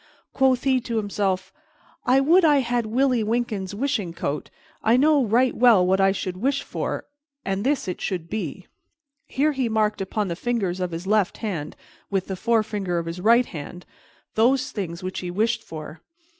Quoth he to himself, "I would I had Willie Wynkin's wishing coat; I know right well what I should wish for, and this it should be." Here he marked upon the fingers of his left hand with the forefinger of his right hand those things which he wished for.